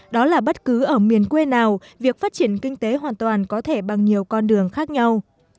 đó là bất cứ ở miền quê nào việc phát triển kinh tế hoàn toàn có thể bằng nhiều con đường khác nhau